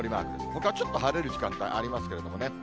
ほかちょっと晴れる時間帯ありますけどもね。